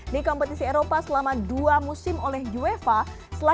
di kompetisi eropa selama dua musim oleh uefa